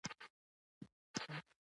د میوو باغونه حلال عاید لري.